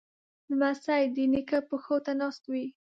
لمسی د نیکه پښو ته ناست وي.